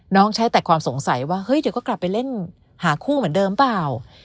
ใช้แต่ความสงสัยว่าเฮ้ยเดี๋ยวก็กลับไปเล่นหาคู่เหมือนเดิมเปล่า